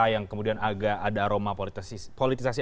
yang kemudian agak ada aroma politisasi